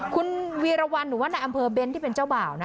คุณวีรวรรณหรือว่านายอำเภอเบ้นที่เป็นเจ้าบ่าวนะ